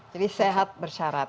jadi sehat bersyarat